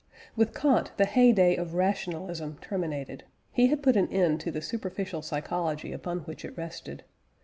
With Kant the hey day of rationalism terminated. He had put an end to the superficial psychology upon which it rested.